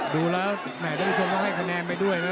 ดูแล้วแหมท่านผู้ชมก็ให้คะแนนไปด้วยนะ